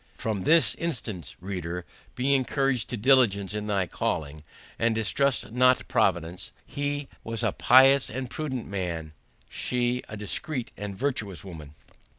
From this instance, reader, Be encouraged to diligence in thy calling, And distrust not Providence. He was a pious and prudent man; She, a discreet and virtuous woman.